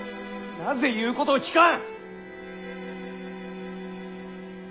なぜ言うことを聞かん！